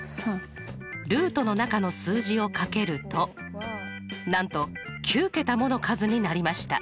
ルートの中の数字を掛けるとなんと９桁もの数になりました。